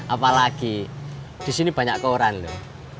apalagi disini banyak koran loh